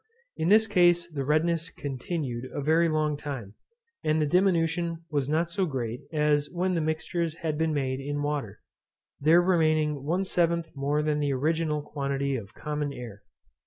In this case the redness continued a very long time, and the diminution was not so great as when the mixtures had been made in water, there remaining one seventh more than the original quantity of common air.